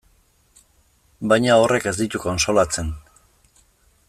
Baina horrek ez ditu kontsolatzen.